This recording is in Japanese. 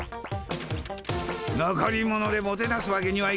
残り物でもてなすわけにはいかん。